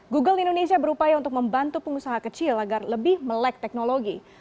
google indonesia berupaya untuk membantu pengusaha kecil agar lebih melek teknologi